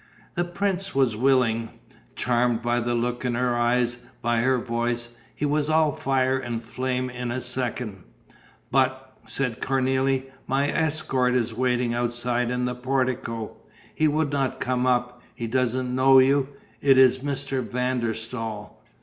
The prince was willing, charmed by the look in her eyes, by her voice; he was all fire and flame in a second. "But," said Cornélie, "my escort is waiting outside in the portico. He would not come up: he doesn't know you. It is Mr. van der Staal."